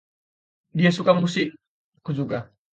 "Dia suka musik." "Aku juga."